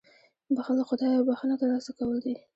• بښل له خدایه بښنه ترلاسه کول دي.